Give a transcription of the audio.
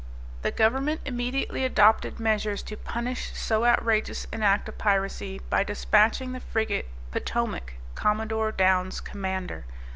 The government immediately adopted measures to punish so outrageous an act of piracy by despatching the frigate Potomac, Commodore Downs, Commander.